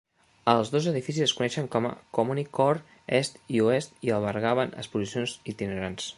Els dos edificis es coneixien com CommuniCore Est i oest i albergaven exposicions itinerants.